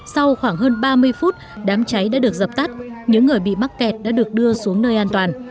sau khoảng hơn ba mươi phút đám cháy đã được dập tắt những người bị mắc kẹt đã được đưa xuống nơi an toàn